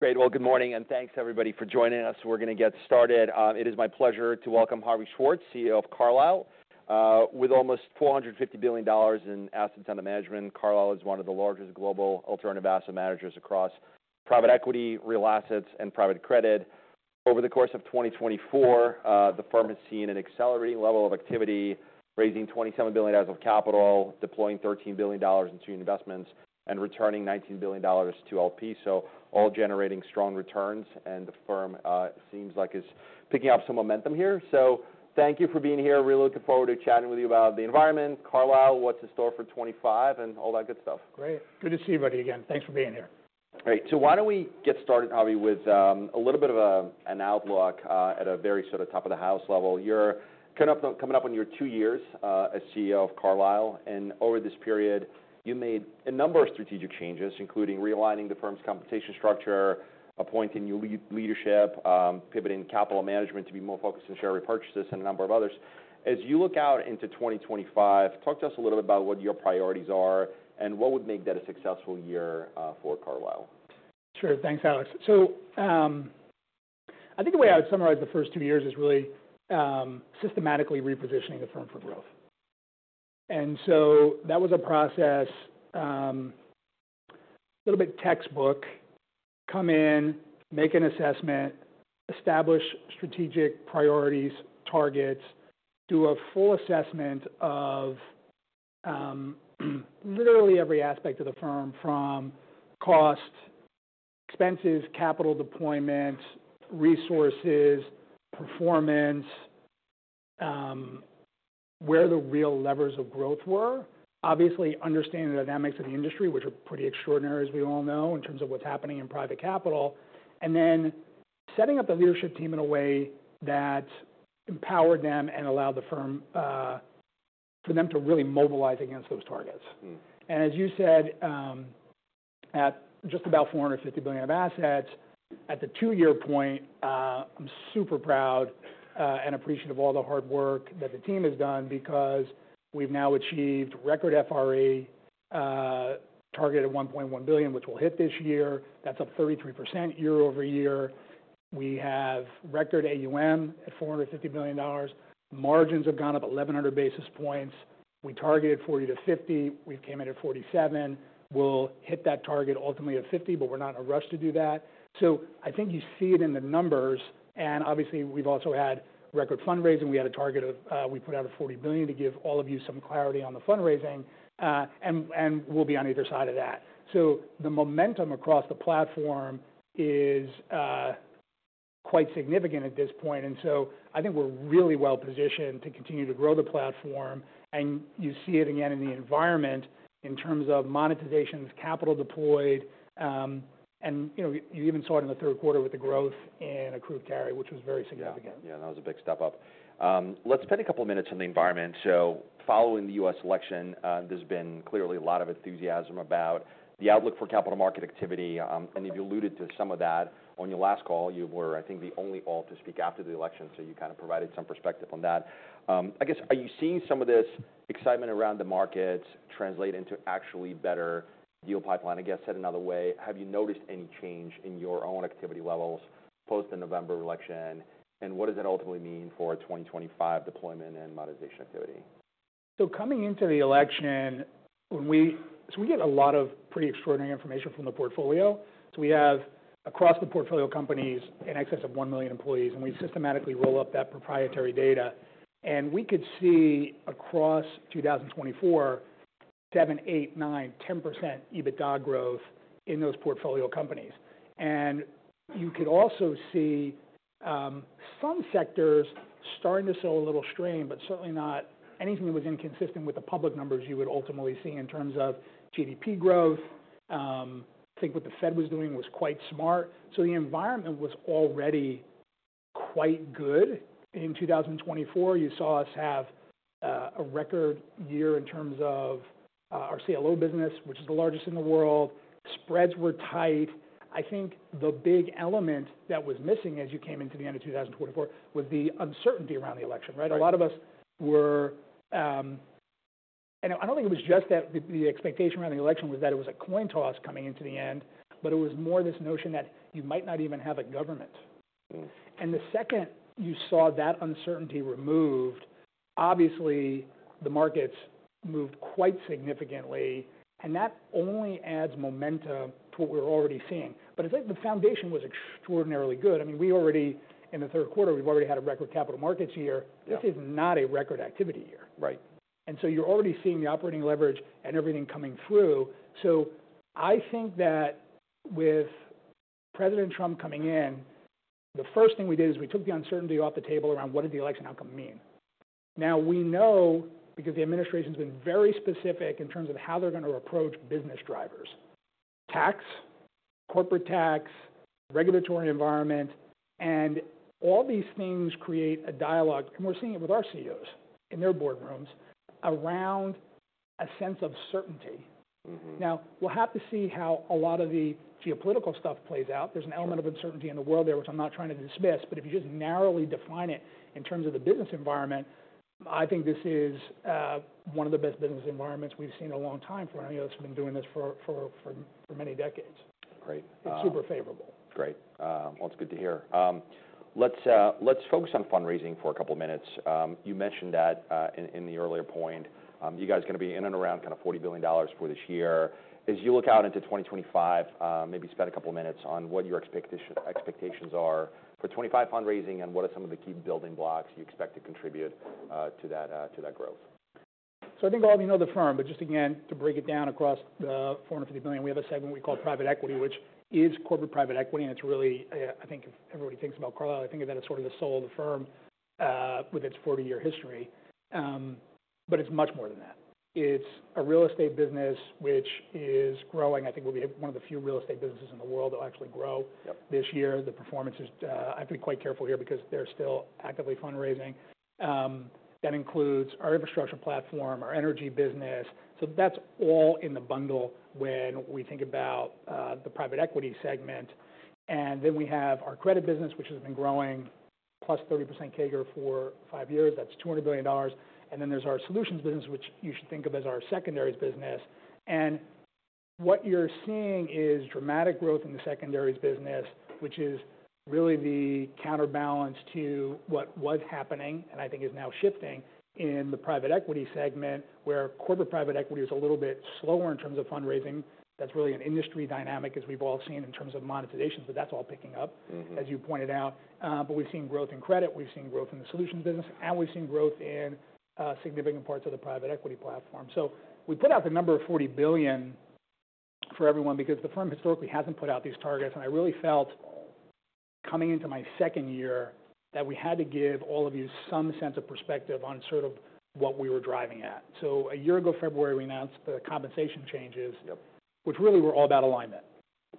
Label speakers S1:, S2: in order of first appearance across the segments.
S1: Great. Well, good morning and thanks, everybody, for joining us. We're going to get started. It is my pleasure to welcome Harvey Schwartz, CEO of Carlyle. With almost $450 billion in assets under management, Carlyle is one of the largest global alternative asset managers across private equity, real assets, and private credit. Over the course of 2024, the firm has seen an accelerating level of activity, raising $27 billion of capital, deploying $13 billion into investments, and returning $19 billion to LPs. So, all generating strong returns, and the firm seems like it's picking up some momentum here. So, thank you for being here. Really looking forward to chatting with you about the environment, Carlyle, what's in store for 2025, and all that good stuff.
S2: Great. Good to see everybody again. Thanks for being here. All right. So, why don't we get started, Harvey, with a little bit of an outlook at a very sort of top-of-the-house level? You're coming up on your two years as CEO of Carlyle, and over this period, you made a number of strategic changes, including realigning the firm's compensation structure, appointing new leadership, pivoting capital management to be more focused on share repurchases, and a number of others. As you look out into 2025, talk to us a little bit about what your priorities are and what would make that a successful year for Carlyle. Sure. Thanks, Alex. So, I think the way I would summarize the first two years is really systematically repositioning the firm for growth. And so, that was a process, a little bit textbook: come in, make an assessment, establish strategic priorities, targets, do a full assessment of literally every aspect of the firm from cost, expenses, capital deployment, resources, performance, where the real levers of growth were, obviously understanding the dynamics of the industry, which are pretty extraordinary, as we all know, in terms of what's happening in private capital, and then setting up the leadership team in a way that empowered them and allowed the firm for them to really mobilize against those targets. As you said, at just about $450 billion of assets, at the two-year point, I'm super proud and appreciative of all the hard work that the team has done because we've now achieved record FRE, targeted at $1.1 billion, which we'll hit this year. That's up 33% year-over-year. We have record AUM at $450 billion. Margins have gone up 1,100 basis points. We targeted 40-50. We came in at 47. We'll hit that target ultimately at 50, but we're not in a rush to do that. I think you see it in the numbers. And obviously, we've also had record fundraising. We had a target of we put out a $40 billion to give all of you some clarity on the fundraising, and we'll be on either side of that. The momentum across the platform is quite significant at this point. And so, I think we're really well positioned to continue to grow the platform. And you see it again in the environment in terms of monetizations, capital deployed. And you even saw it in the third quarter with the growth in accrued carry, which was very significant. Yeah. Yeah. That was a big step up. Let's spend a couple of minutes on the environment. So, following the U.S. election, there's been clearly a lot of enthusiasm about the outlook for capital market activity. And you alluded to some of that on your last call. You were, I think, the only one to speak after the election, so you kind of provided some perspective on that. I guess, are you seeing some of this excitement around the markets translate into actually better deal pipeline, I guess, said another way? Have you noticed any change in your own activity levels post the November election? And what does that ultimately mean for 2025 deployment and monetization activity? Coming into the election, we get a lot of pretty extraordinary information from the portfolio. We have across the portfolio companies in excess of one million employees, and we systematically roll up that proprietary data. We could see across 2024, seven, eight, nine, 10% EBITDA growth in those portfolio companies. You could also see some sectors starting to slow a little strain, but certainly not anything that was inconsistent with the public numbers you would ultimately see in terms of GDP growth. I think what the Fed was doing was quite smart. The environment was already quite good in 2024. You saw us have a record year in terms of our CLO business, which is the largest in the world. Spreads were tight. I think the big element that was missing as you came into the end of 2024 was the uncertainty around the election, right? A lot of us were, and I don't think it was just that the expectation around the election was that it was a coin toss coming into the end, but it was more this notion that you might not even have a government. And the second you saw that uncertainty removed, obviously, the markets moved quite significantly. And that only adds momentum to what we were already seeing. But it's like the foundation was extraordinarily good. I mean, we already in the third quarter, we've already had a record capital markets year. This is not a record activity year. Right. And so, you're already seeing the operating leverage and everything coming through. So, I think that with President Trump coming in, the first thing we did is we took the uncertainty off the table around what did the election outcome mean. Now, we know because the administration has been very specific in terms of how they're going to approach business drivers: tax, corporate tax, regulatory environment. And all these things create a dialogue. And we're seeing it with our CEOs in their boardrooms around a sense of certainty. Now, we'll have to see how a lot of the geopolitical stuff plays out. There's an element of uncertainty in the world there, which I'm not trying to dismiss. But if you just narrowly define it in terms of the business environment, I think this is one of the best business environments we've seen in a long time for. I know you guys have been doing this for many decades. Great. It's super favorable. Great. Well, it's good to hear. Let's focus on fundraising for a couple of minutes. You mentioned that in the earlier point, you guys are going to be in and around kind of $40 billion for this year. As you look out into 2025, maybe spend a couple of minutes on what your expectations are for 2025 fundraising and what are some of the key building blocks you expect to contribute to that growth? I think all of you know the firm, but just again, to break it down across the $450 billion, we have a segment we call private equity, which is corporate private equity. It's really, I think, if everybody thinks about Carlyle, I think of that as sort of the soul of the firm with its 40-year history. It's much more than that. It's a real estate business, which is growing. I think we'll be one of the few real estate businesses in the world that will actually grow this year. The performance is. I have to be quite careful here because they're still actively fundraising. That includes our infrastructure platform, our energy business. That's all in the bundle when we think about the private equity segment. Then we have our credit business, which has been growing plus 30% CAGR for five years. That's $200 billion. There's our solutions business, which you should think of as our secondaries business. What you're seeing is dramatic growth in the secondaries business, which is really the counterbalance to what was happening and I think is now shifting in the private equity segment, where corporate private equity is a little bit slower in terms of fundraising. That's really an industry dynamic, as we've all seen, in terms of monetization. That's all picking up, as you pointed out. We've seen growth in credit. We've seen growth in the solutions business. We've seen growth in significant parts of the private equity platform. We put out the number of $40 billion for everyone because the firm historically hasn't put out these targets. And I really felt, coming into my second year, that we had to give all of you some sense of perspective on sort of what we were driving at. So, a year ago, February, we announced the compensation changes, which really were all about alignment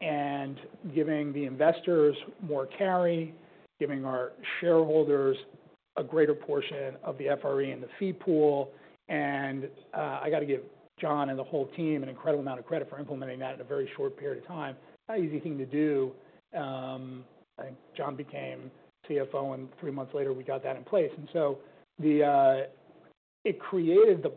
S2: and giving the investors more carry, giving our shareholders a greater portion of the FRE in the fee pool. And I got to give John and the whole team an incredible amount of credit for implementing that in a very short period of time. Not an easy thing to do. John became CFO, and three months later, we got that in place. And so, it created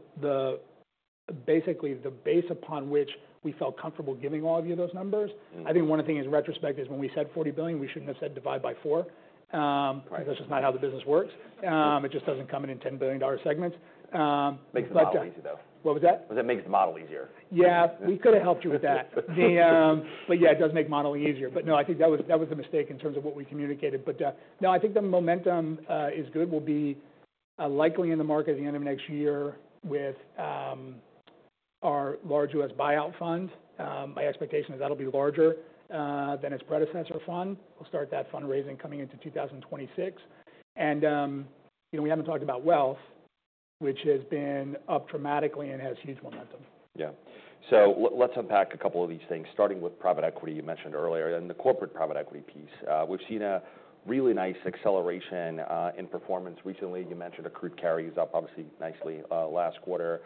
S2: basically the base upon which we felt comfortable giving all of you those numbers. I think one thing in retrospect is when we said $40 billion, we shouldn't have said divide by four because that's just not how the business works. It just doesn't come in $10 billion segments. Makes the model easy, though. What was that? Is it that makes the model easier? Yeah. We could have helped you with that. But yeah, it does make modeling easier. But no, I think that was the mistake in terms of what we communicated. But no, I think the momentum is good. We'll be likely in the market at the end of next year with our large U.S. buyout fund. My expectation is that'll be larger than its predecessor fund. We'll start that fundraising coming into 2026. And we haven't talked about wealth, which has been up dramatically and has huge momentum. Yeah. So, let's unpack a couple of these things, starting with private equity you mentioned earlier and the corporate private equity piece. We've seen a really nice acceleration in performance recently. You mentioned accrued carry is up obviously nicely last quarter.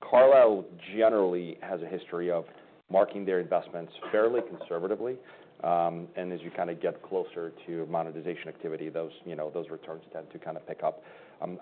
S2: Carlyle generally has a history of marking their investments fairly conservatively. And as you kind of get closer to monetization activity, those returns tend to kind of pick up.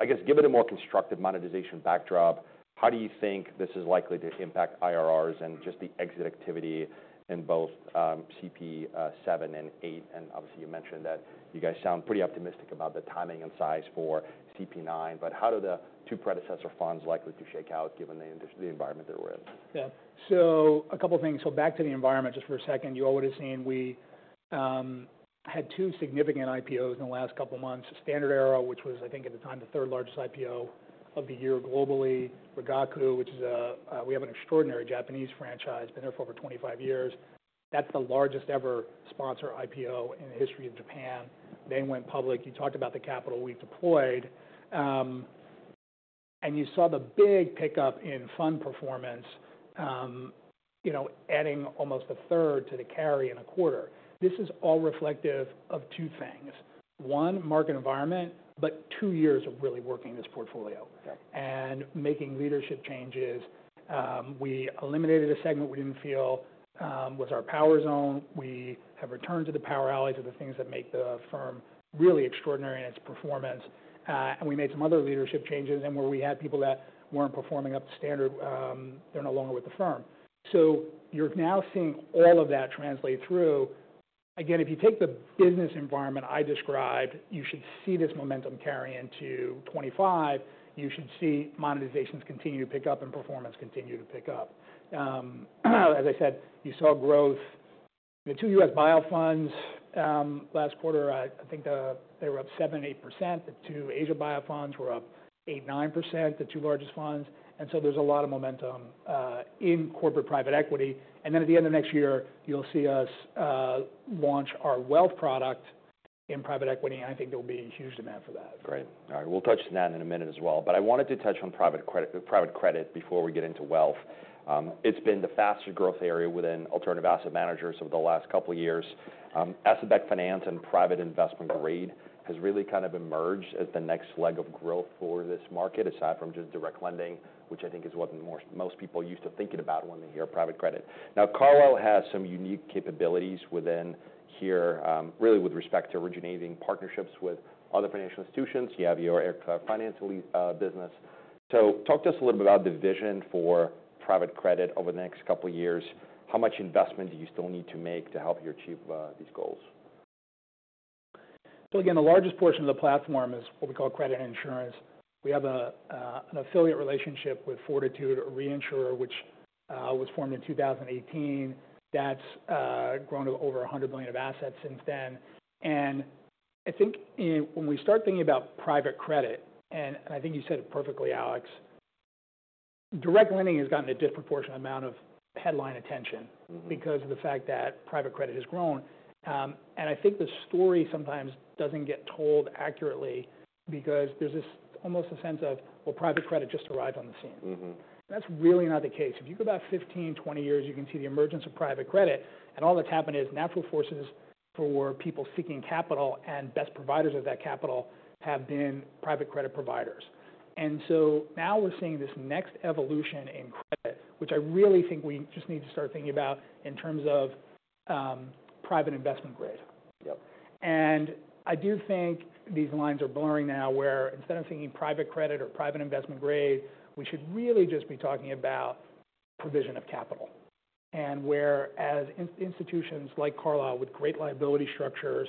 S2: I guess, given a more constructive monetization backdrop, how do you think this is likely to impact IRRs and just the exit activity in both CP7 and 8? And obviously, you mentioned that you guys sound pretty optimistic about the timing and size for CP9. But how do the two predecessor funds likely to shake out given the environment they're in? Yeah. So, a couple of things. So, back to the environment just for a second. You already seen we had two significant IPOs in the last couple of months: StandardAero, which was, I think, at the time the third largest IPO of the year globally. Rigaku, which is a—we have an extraordinary Japanese franchise, been there for over 25 years. That's the largest-ever sponsor IPO in the history of Japan. They went public. You talked about the capital we've deployed. And you saw the big pickup in fund performance, adding almost a third to the carry in a quarter. This is all reflective of two things: one, market environment, but two years of really working this portfolio and making leadership changes. We eliminated a segment we didn't feel was our power zone. We have returned to the core pillars of the things that make the firm really extraordinary in its performance and we made some other leadership changes and where we had people that weren't performing up to standard, they're no longer with the firm, so you're now seeing all of that translate through. Again, if you take the business environment I described, you should see this momentum carry into 2025. You should see monetizations continue to pick up and performance continue to pick up. As I said, you saw growth. The two U.S. buyout funds last quarter, I think they were up 7%-8%. The two Asia buyout funds were up 8%-9%, the two largest funds. And so, there's a lot of momentum in corporate private equity. And then at the end of next year, you'll see us launch our wealth product in private equity. I think there'll be huge demand for that. Great. All right. We'll touch on that in a minute as well. But I wanted to touch on private credit before we get into wealth. It's been the fastest growth area within alternative asset managers over the last couple of years. Asset-backed finance and private investment grade has really kind of emerged as the next leg of growth for this market, aside from just direct lending, which I think is what most people are used to thinking about when they hear private credit. Now, Carlyle has some unique capabilities within here, really with respect to originating partnerships with other financial institutions. You have your aircraft finance business. So, talk to us a little bit about the vision for private credit over the next couple of years. How much investment do you still need to make to help you achieve these goals? Again, the largest portion of the platform is what we call credit insurance. We have an affiliate relationship with Fortitude Re, which was formed in 2018. That's grown to over $100 million in assets since then. And I think when we start thinking about private credit, and I think you said it perfectly, Alex, direct lending has gotten a disproportionate amount of headline attention because of the fact that private credit has grown. And I think the story sometimes doesn't get told accurately because there's almost a sense of, well, private credit just arrived on the scene. And that's really not the case. If you go about 15, 20 years, you can see the emergence of private credit. And all that's happened is natural forces for people seeking capital and best providers of that capital have been private credit providers. And so, now we're seeing this next evolution in credit, which I really think we just need to start thinking about in terms of private investment grade. And I do think these lines are blurring now where instead of thinking private credit or private investment grade, we should really just be talking about provision of capital. And whereas institutions like Carlyle with great liability structures,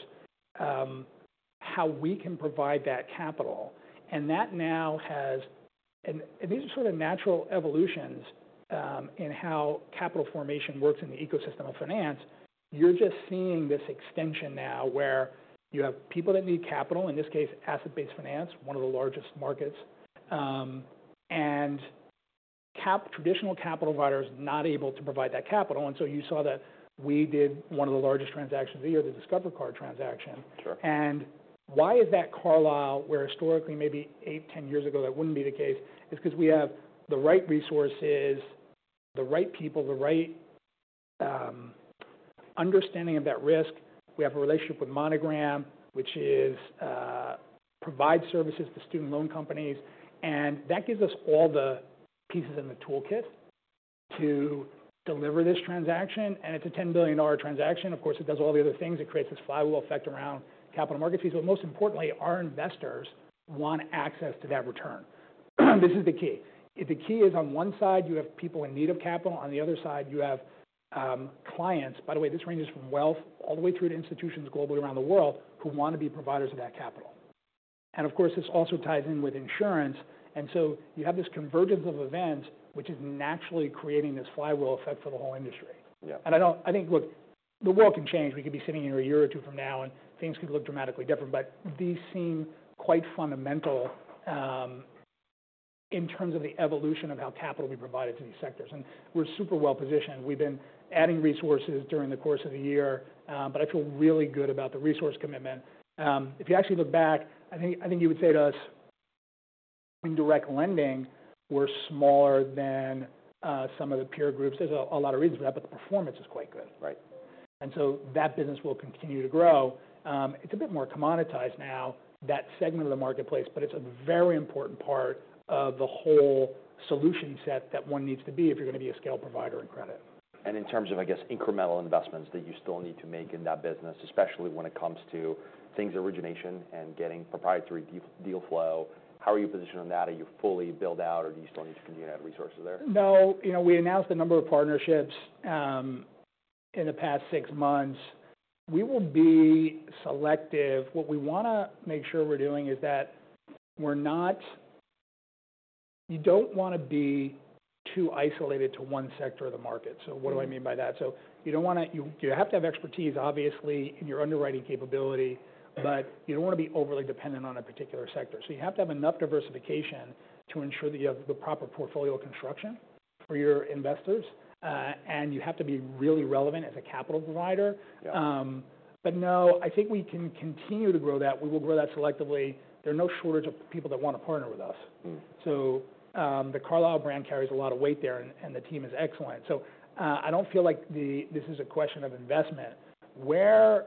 S2: how we can provide that capital. And that now has, and these are sort of natural evolutions in how capital formation works in the ecosystem of finance. You're just seeing this extension now where you have people that need capital, in this case, asset-based finance, one of the largest markets. And traditional capital providers are not able to provide that capital. And so, you saw that we did one of the largest transactions of the year, the Discover Card transaction. And why is that, Carlyle? Where historically maybe eight, 10 years ago that wouldn't be the case, is because we have the right resources, the right people, the right understanding of that risk. We have a relationship with Monogram, which provides services to student loan companies. And that gives us all the pieces in the toolkit to deliver this transaction. And it's a $10 billion transaction. Of course, it does all the other things. It creates this flywheel effect around capital market fees. But most importantly, our investors want access to that return. This is the key. The key is on one side, you have people in need of capital. On the other side, you have clients. By the way, this ranges from wealth all the way through to institutions globally around the world who want to be providers of that capital. Of course, this also ties in with insurance. You have this convergence of events, which is naturally creating this flywheel effect for the whole industry. I think, look, the world can change. We could be sitting here a year or two from now, and things could look dramatically different. These seem quite fundamental in terms of the evolution of how capital will be provided to these sectors. We're super well-positioned. We've been adding resources during the course of the year. I feel really good about the resource commitment. If you actually look back, I think you would say to us, in direct lending, we're smaller than some of the peer groups. There's a lot of reasons for that. The performance is quite good. That business will continue to grow. It's a bit more commoditized now, that segment of the marketplace. But it's a very important part of the whole solution set that one needs to be if you're going to be a scale provider in credit. In terms of, I guess, incremental investments that you still need to make in that business, especially when it comes to things origination and getting proprietary deal flow, how are you positioned on that? Are you fully built out, or do you still need to continue to add resources there? No. We announced a number of partnerships in the past six months. We will be selective. What we want to make sure we're doing is that we're not. You don't want to be too isolated to one sector of the market. So, what do I mean by that? So, you don't want to. You have to have expertise, obviously, in your underwriting capability. But you don't want to be overly dependent on a particular sector. So, you have to have enough diversification to ensure that you have the proper portfolio construction for your investors. And you have to be really relevant as a capital provider. But no, I think we can continue to grow that. We will grow that selectively. There are no shortage of people that want to partner with us. So, the Carlyle brand carries a lot of weight there, and the team is excellent. I don't feel like this is a question of investment. Where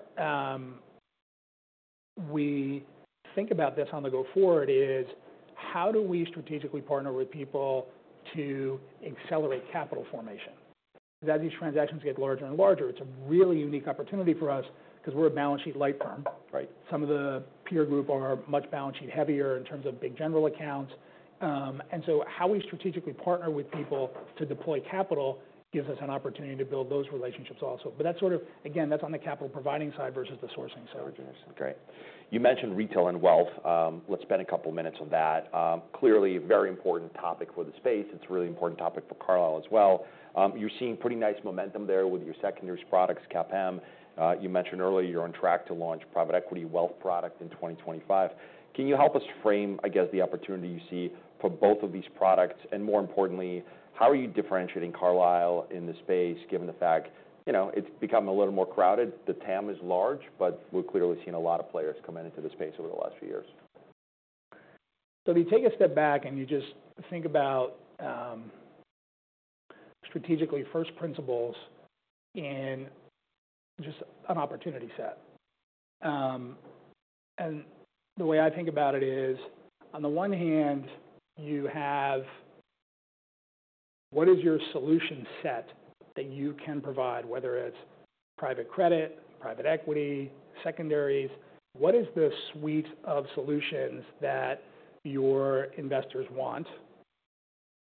S2: we think about this on the go forward is how do we strategically partner with people to accelerate capital formation? Because as these transactions get larger and larger, it's a really unique opportunity for us because we're a balance sheet light firm. Some of the peer group are much balance sheet heavier in terms of big general accounts. And so, how we strategically partner with people to deploy capital gives us an opportunity to build those relationships also. But that's sort of, again, that's on the capital providing side versus the sourcing side. Origination. Great. You mentioned retail and wealth. Let's spend a couple of minutes on that. Clearly, a very important topic for the space. It's a really important topic for Carlyle as well. You're seeing pretty nice momentum there with your secondary products, CAPM. You mentioned earlier you're on track to launch private equity wealth product in 2025. Can you help us frame, I guess, the opportunity you see for both of these products? And more importantly, how are you differentiating Carlyle in the space given the fact it's become a little more crowded? The TAM is large, but we've clearly seen a lot of players come into the space over the last few years. So, if you take a step back and you just think about strategically first principles in just an opportunity set. And the way I think about it is, on the one hand, you have what is your solution set that you can provide, whether it's private credit, private equity, secondaries? What is the suite of solutions that your investors want?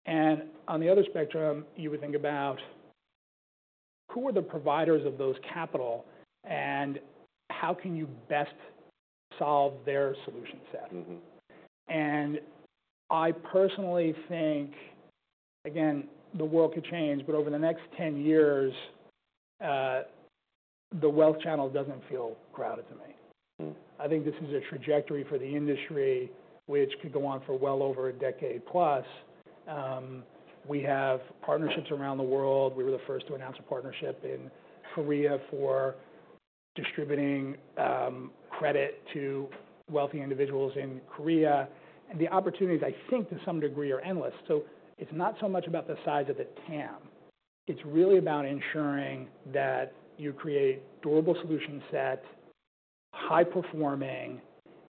S2: And on the other spectrum, you would think about who are the providers of those capital and how can you best solve their solution set? And I personally think, again, the world could change. But over the next 10 years, the wealth channel doesn't feel crowded to me. I think this is a trajectory for the industry, which could go on for well over a decade plus. We have partnerships around the world. We were the first to announce a partnership in Korea for distributing credit to wealthy individuals in Korea, and the opportunities, I think, to some degree are endless, so it's not so much about the size of the TAM. It's really about ensuring that you create durable solution set, high-performing,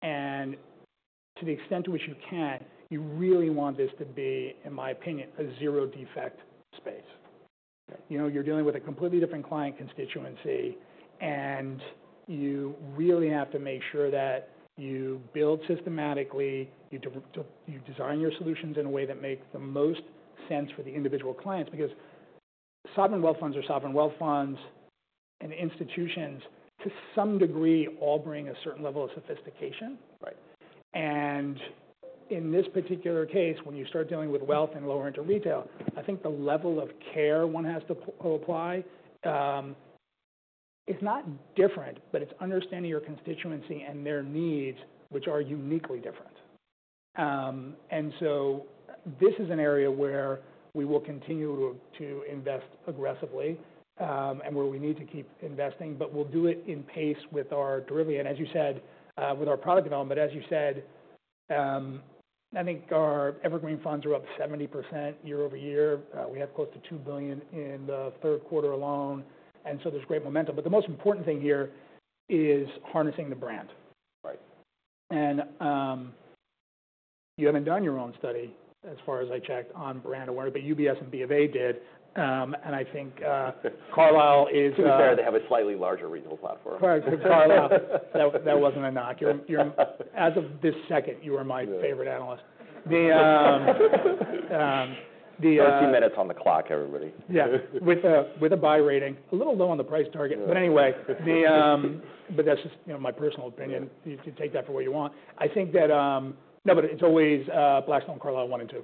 S2: and to the extent to which you can, you really want this to be, in my opinion, a zero-defect space. You're dealing with a completely different client constituency, and you really have to make sure that you build systematically, you design your solutions in a way that makes the most sense for the individual clients. Because sovereign wealth funds are sovereign wealth funds, and institutions, to some degree, all bring a certain level of sophistication. And in this particular case, when you start dealing with wealth and, I think the level of care one has to apply is not different. But it's understanding your constituency and their needs, which are uniquely different. And so, this is an area where we will continue to invest aggressively and where we need to keep investing. But we'll do it in pace with our derivative, and as you said, with our product development. As you said, I think our evergreen funds are up 70% year-over-year. We have close to $2 billion in the third quarter alone. And so, there's great momentum. But the most important thing here is harnessing the brand. And you haven't done your own study, as far as I checked, on brand awareness. But UBS and B of A did. And I think Carlyle is. To be fair, they have a slightly larger regional platform. Carlyle, that wasn't a knock. As of this second, you are my favorite analyst. 13 minutes on the clock, everybody. Yeah. With a buy rating, a little low on the price target. But anyway, but that's just my personal opinion. You take that for what you want. I think that, no, but it's always Blackstone and Carlyle one and two.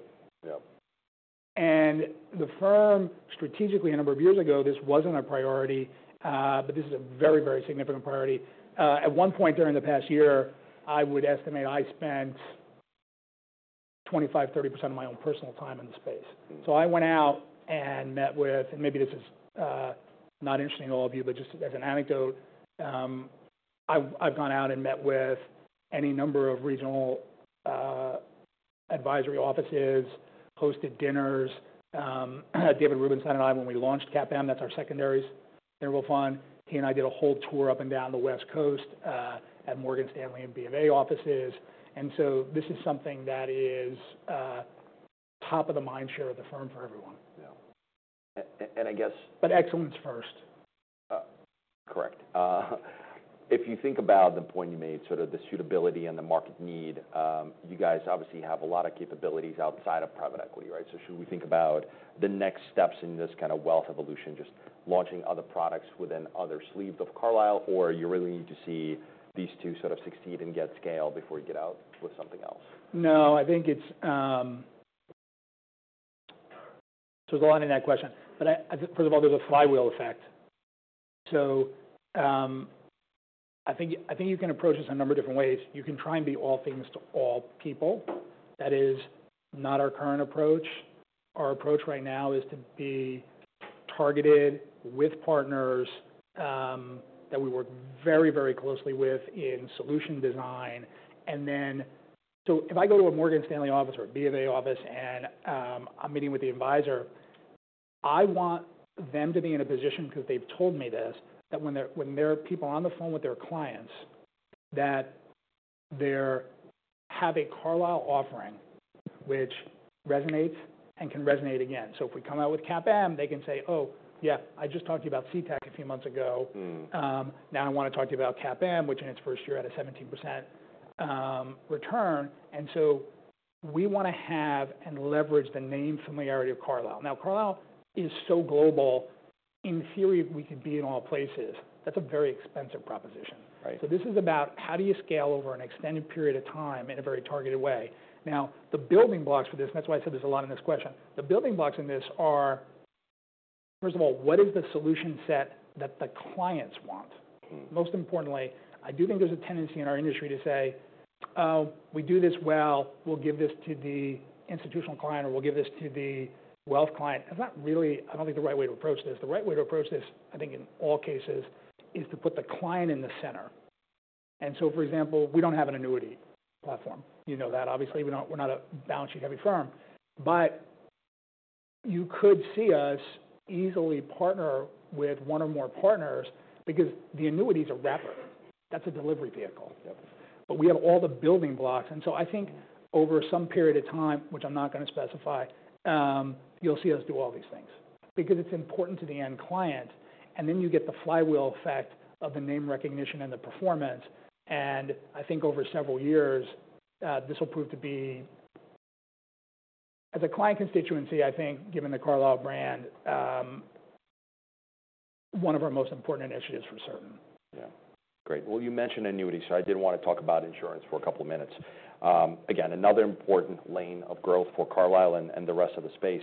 S2: And the firm, strategically, a number of years ago, this wasn't a priority. But this is a very, very significant priority. At one point during the past year, I would estimate I spent 25%, 30% of my own personal time in the space. So, I went out and met with, and maybe this is not interesting to all of you, but just as an anecdote, I've gone out and met with any number of regional advisory offices, hosted dinners. David Rubenstein and I, when we launched CAPM, that's our secondary interval fund. He and I did a whole tour up and down the West Coast at Morgan Stanley and B of A offices, and so this is something that is top of the mind share of the firm for everyone. Yeah, and I guess. But excellence first. Correct. If you think about the point you made, sort of the suitability and the market need, you guys obviously have a lot of capabilities outside of private equity, right? So, should we think about the next steps in this kind of wealth evolution, just launching other products within other sleeves of Carlyle, or you really need to see these two sort of succeed and get scale before you get out with something else? No. I think it's so there's a lot in that question, but first of all, there's a flywheel effect, so I think you can approach this a number of different ways. You can try and be all things to all people. That is not our current approach. Our approach right now is to be targeted with partners that we work very, very closely with in solution design. And then, so if I go to a Morgan Stanley office or a B of A office and I'm meeting with the advisor, I want them to be in a position, because they've told me this, that when they're people on the phone with their clients, that they're having Carlyle offering, which resonates and can resonate again, so if we come out with CAPM, they can say, "Oh, yeah, I just talked to you about CTAC a few months ago. Now I want to talk to you about CAPM, which in its first year had a 17% return," and so we want to have and leverage the name familiarity of Carlyle. Now, Carlyle is so global. In theory, we could be in all places. That's a very expensive proposition, so this is about how do you scale over an extended period of time in a very targeted way. Now, the building blocks for this, and that's why I said there's a lot in this question, the building blocks in this are, first of all, what is the solution set that the clients want? Most importantly, I do think there's a tendency in our industry to say, "Oh, we do this well. We'll give this to the institutional client, or we'll give this to the wealth client." That's not really, I don't think the right way to approach this. The right way to approach this, I think in all cases, is to put the client in the center. And so, for example, we don't have an annuity platform. You know that, obviously. We're not a balance sheet heavy firm. But you could see us easily partner with one or more partners because the annuity is a wrapper. That's a delivery vehicle. But we have all the building blocks. And so, I think over some period of time, which I'm not going to specify, you'll see us do all these things. Because it's important to the end client. And then you get the flywheel effect of the name recognition and the performance. And I think over several years, this will prove to be, as a client constituency, I think, given the Carlyle brand, one of our most important initiatives for certain. Yeah. Great. Well, you mentioned annuity. So, I did want to talk about insurance for a couple of minutes. Again, another important lane of growth for Carlyle and the rest of the space.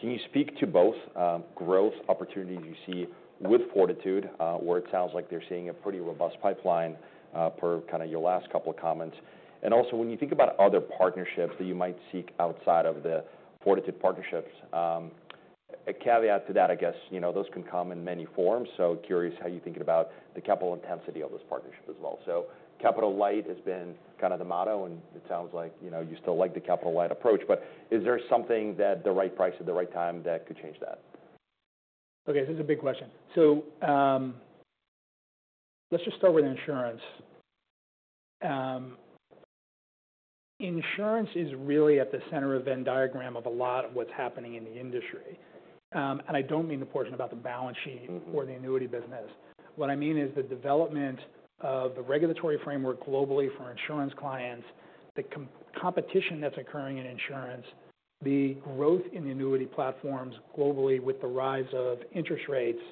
S2: Can you speak to both growth opportunities you see with Fortitude, where it sounds like they're seeing a pretty robust pipeline per kind of your last couple of comments? And also, when you think about other partnerships that you might seek outside of the Fortitude partnerships, a caveat to that, I guess, those can come in many forms. So, curious how you're thinking about the capital intensity of this partnership as well. So, capital light has been kind of the motto, and it sounds like you still like the capital light approach. But is there something that the right price at the right time that could change that? Okay. So, this is a big question. So, let's just start with insurance. Insurance is really at the center of the Venn diagram of a lot of what's happening in the industry. And I don't mean the portion about the balance sheet or the annuity business. What I mean is the development of the regulatory framework globally for insurance clients, the competition that's occurring in insurance, the growth in annuity platforms globally with the rise of interest rates.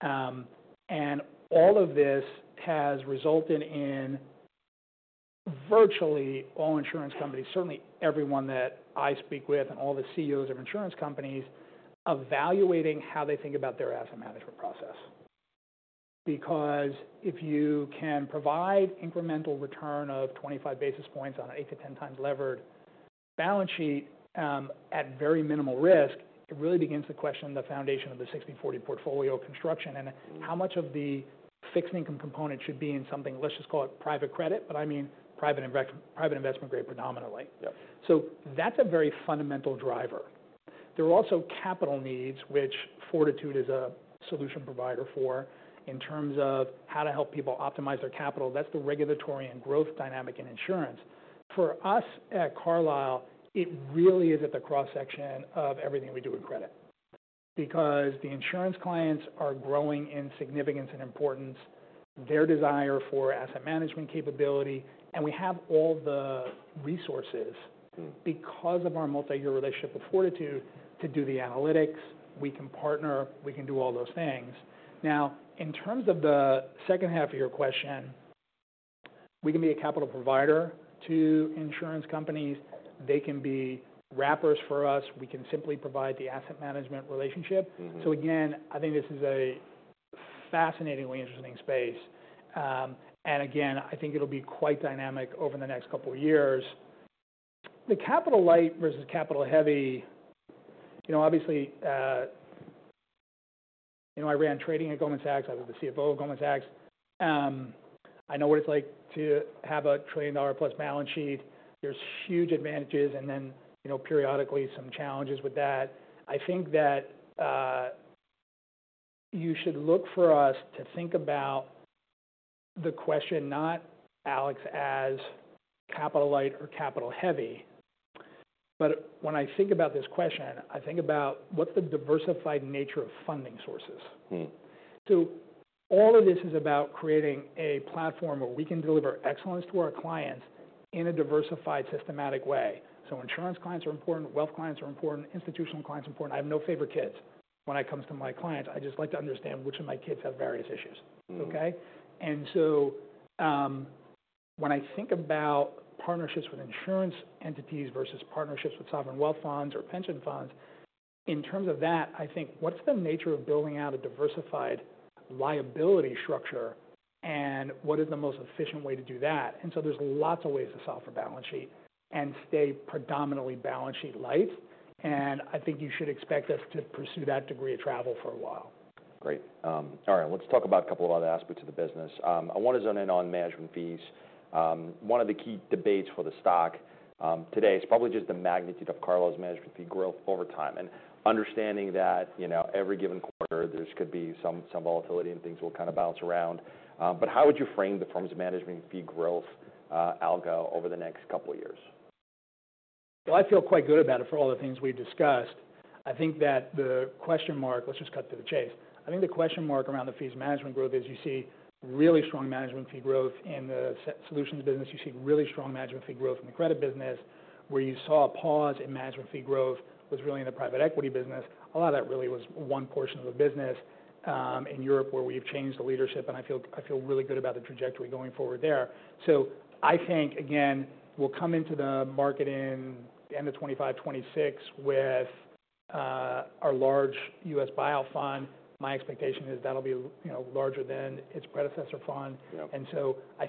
S2: And all of this has resulted in virtually all insurance companies, certainly everyone that I speak with and all the CEOs of insurance companies, evaluating how they think about their asset management process. Because if you can provide incremental return of 25 basis points on an 8-10 times levered balance sheet at very minimal risk, it really begins to question the foundation of the 60/40 portfolio construction and how much of the fixed income component should be in something, let's just call it private credit. But I mean private investment grade predominantly. So, that's a very fundamental driver. There are also capital needs, which Fortitude is a solution provider for in terms of how to help people optimize their capital. That's the regulatory and growth dynamic in insurance. For us at Carlyle, it really is at the cross-section of everything we do with credit. Because the insurance clients are growing in significance and importance, their desire for asset management capability. And we have all the resources because of our multi-year relationship with Fortitude to do the analytics. We can partner. We can do all those things. Now, in terms of the second half of your question, we can be a capital provider to insurance companies. They can be wrappers for us. We can simply provide the asset management relationship. So, again, I think this is a fascinatingly interesting space. And again, I think it'll be quite dynamic over the next couple of years. The capital light versus capital heavy, obviously, I ran trading at Goldman Sachs. I was the CFO of Goldman Sachs. I know what it's like to have a trillion-dollar-plus balance sheet. There's huge advantages and then periodically some challenges with that. I think that you should look for us to think about the question, not Alex as capital light or capital heavy. But when I think about this question, I think about what's the diversified nature of funding sources. So, all of this is about creating a platform where we can deliver excellence to our clients in a diversified systematic way. So, insurance clients are important. Wealth clients are important. Institutional clients are important. I have no favorite kids when it comes to my clients. I just like to understand which of my kids have various issues. Okay? And so, when I think about partnerships with insurance entities versus partnerships with sovereign wealth funds or pension funds, in terms of that, I think, what's the nature of building out a diversified liability structure and what is the most efficient way to do that? And so, there's lots of ways to solve for balance sheet and stay predominantly balance sheet light. And I think you should expect us to pursue that degree of travel for a while. Great. All right. Let's talk about a couple of other aspects of the business. I want to zone in on management fees. One of the key debates for the stock today is probably just the magnitude of Carlyle's management fee growth over time, and understanding that every given quarter, there could be some volatility and things will kind of bounce around. But how would you frame the firm's management fee growth algo over the next couple of years? I feel quite good about it for all the things we've discussed. I think that the question mark, let's just cut to the chase, I think the question mark around the fee management growth is you see really strong management fee growth in the solutions business. You see really strong management fee growth in the credit business, where you saw a pause in management fee growth was really in the private equity business. A lot of that really was one portion of the business in Europe, where we've changed the leadership. I feel really good about the trajectory going forward there. I think, again, we'll come into the market in the end of 2025, 2026 with our large U.S. buyout fund. My expectation is that'll be larger than its predecessor fund. I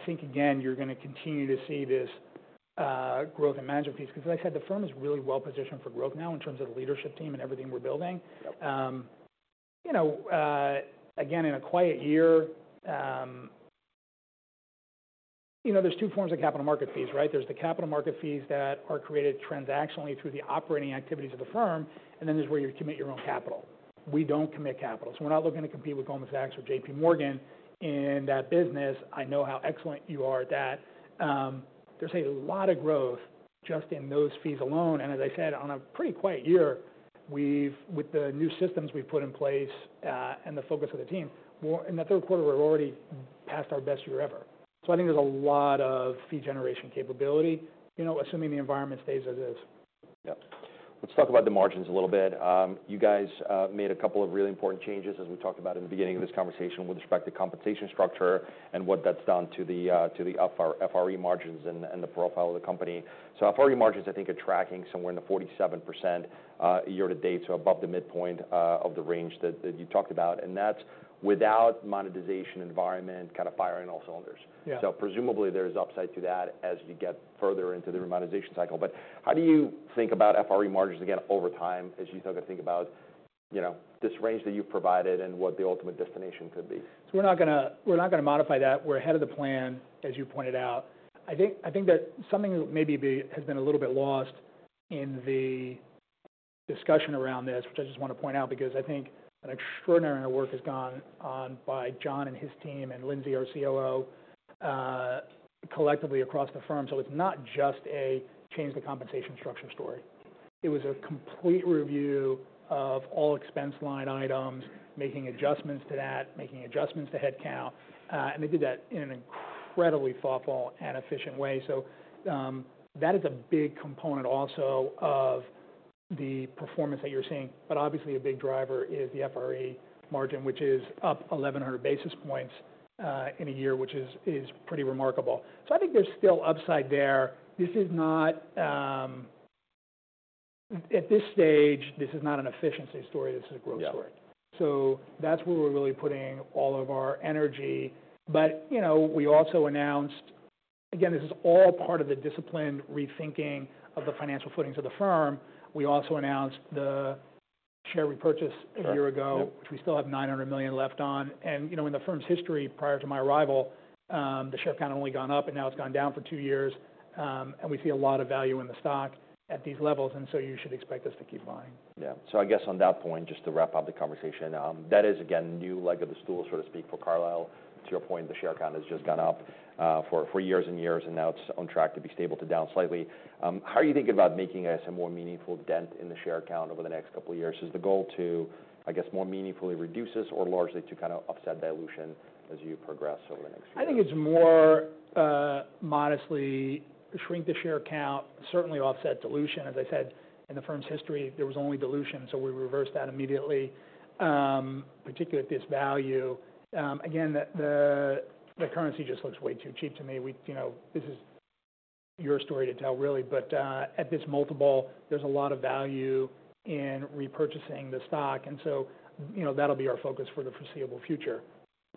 S2: think, again, you're going to continue to see this growth in management fees. Because like I said, the firm is really well positioned for growth now in terms of the leadership team and everything we're building. Again, in a quiet year, there's two forms of capital market fees, right? There's the capital market fees that are created transactionally through the operating activities of the firm. And then there's where you commit your own capital. We don't commit capital. So, we're not looking to compete with Goldman Sachs or JP Morgan in that business. I know how excellent you are at that. There's a lot of growth just in those fees alone. And as I said, on a pretty quiet year, with the new systems we've put in place and the focus of the team, in the third quarter, we're already past our best year ever. So, I think there's a lot of fee generation capability, assuming the environment stays as is. Yeah. Let's talk about the margins a little bit. You guys made a couple of really important changes, as we talked about in the beginning of this conversation, with respect to compensation structure and what that's done to the FRE margins and the profile of the company. So, FRE margins, I think, are tracking somewhere in the 47% year to date, so above the midpoint of the range that you talked about. And that's without monetization environment kind of firing all cylinders. So, presumably, there is upside to that as you get further into the remonetization cycle. But how do you think about FRE margins again over time as you start to think about this range that you've provided and what the ultimate destination could be? So, we're not going to modify that. We're ahead of the plan, as you pointed out. I think that something that maybe has been a little bit lost in the discussion around this, which I just want to point out, because I think an extraordinary amount of work has gone on by John and his team and Lindsay, our COO, collectively across the firm. So, it's not just a change of the compensation structure story. It was a complete review of all expense line items, making adjustments to that, making adjustments to headcount. And they did that in an incredibly thoughtful and efficient way. So, that is a big component also of the performance that you're seeing. But obviously, a big driver is the FRE margin, which is up 1,100 basis points in a year, which is pretty remarkable. So, I think there's still upside there. At this stage, this is not an efficiency story. This is a growth story. So, that's where we're really putting all of our energy. But we also announced, again, this is all part of the disciplined rethinking of the financial footings of the firm. We also announced the share repurchase a year ago, which we still have $900 million left on. And in the firm's history prior to my arrival, the share count had only gone up, and now it's gone down for two years. And we see a lot of value in the stock at these levels. And so, you should expect us to keep buying. Yeah. So, I guess on that point, just to wrap up the conversation, that is, again, new leg of the stool, so to speak, for Carlyle. To your point, the share count has just gone up for years and years, and now it's on track to be stable to down slightly. How are you thinking about making, I guess, a more meaningful dent in the share count over the next couple of years? Is the goal to, I guess, more meaningfully reduce this or largely to kind of offset dilution as you progress over the next few years? I think it's more modestly shrink the share count, certainly offset dilution. As I said, in the firm's history, there was only dilution. So, we reversed that immediately, particularly at this value. Again, the currency just looks way too cheap to me. This is your story to tell, really. But at this multiple, there's a lot of value in repurchasing the stock. And so, that'll be our focus for the foreseeable future.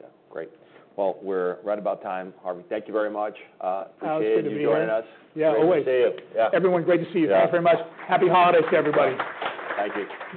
S2: Yeah. Great. Well, we're right about time. Harvey, thank you very much. Appreciate you joining us. I'm good to be here. Happy to see you. Yeah. Everyone, great to see you. Thanks very much. Happy holidays to everybody. Thank you.